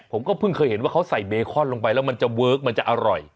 ผมก็เพิ่งเคยเห็นว่าเขาใส่เบคอนลงไปแล้วมันจะเวิร์คมันจะอร่อย